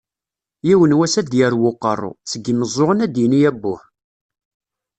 "Yiwen wass ad d-yarew uqerru, seg yimeẓẓuɣen ad d-yini abbuh.